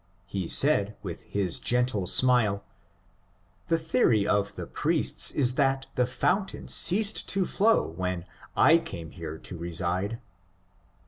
He said, with his gentle smile :^^ The theory of the priests is that the fountain ceased to flow when I came here to reside.